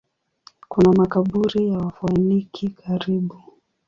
Kuna makaburi ya Wafoeniki karibu.